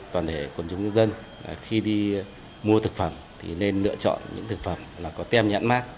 toàn thể quần chúng dân khi đi mua thực phẩm nên lựa chọn những thực phẩm có tem nhãn mát